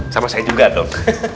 sama saya juga dong